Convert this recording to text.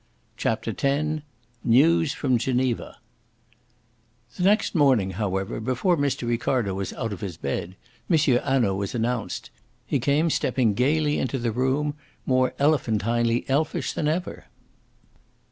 CHAPTER X NEWS FROM GENEVA The next morning, however, before Mr. Ricardo was out of his bed, M. Hanaud was announced. He came stepping gaily into the room, more elephantinely elfish than ever.